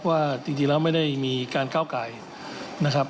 ว่าจริงแล้วไม่ได้มีการก้าวไก่นะครับ